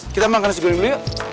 kita makan sebelumnya